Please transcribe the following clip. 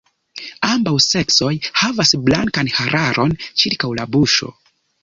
Ambaŭ seksoj havas blankan hararon ĉirkaŭ la buŝo.